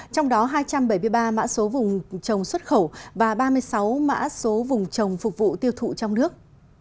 trong đó hai trăm bảy mươi ba mã số vùng trồng xuất khẩu và ba mươi sáu mã số vùng trồng phục vụ tiêu thụ trong nước